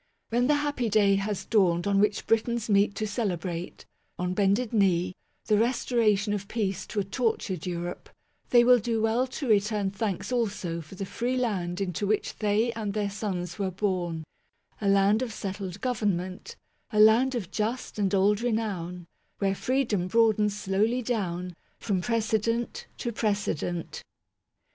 When the happy day has dawned on which Britons meet to celebrate, on bended knee, the restoration of peace to a tortured Europe, they will do well to return thanks also for the free land into which they and their sons were born : A land of settled government, A land of just and old renown, Where freedom broadens slowly down, From precedent to precedent.